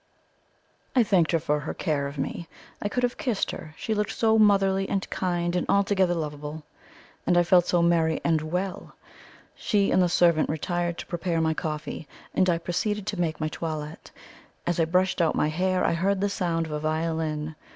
I thanked her for her care of me; I could have kissed her, she looked so motherly, and kind, and altogether lovable. And I felt so merry and well! She and the servant retired to prepare my coffee, and I proceeded to make my toilette. As I brushed out my hair I heard the sound of a violin.